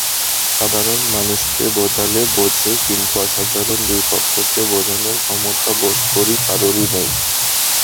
সাধারণ মানুষকে বোঝালে বোঝে, কিন্তু অসাধারণ দুই পক্ষকে বোঝানোর ক্ষমতা বোধকরি কারোরই নেই।